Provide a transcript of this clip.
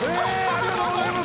ありがとうございます。